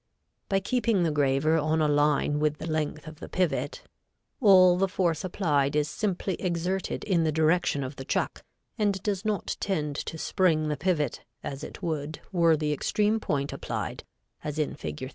By keeping the graver on a line with the length of the pivot, all the force applied is simply exerted in the direction of the chuck, and does not tend to spring the pivot, as it would were the extreme point applied, as in Fig.